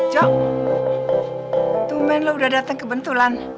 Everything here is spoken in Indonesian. jok tumpen lo udah datang kebetulan